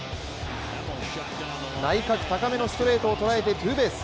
内角高めのストレートを捉えてツーベース。